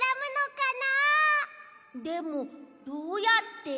でもどうやって？